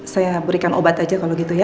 saya berikan obat aja kalau gitu ya